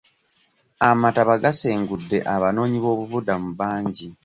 Amataba gasengudde abanoonyi b'obubudamu bangi.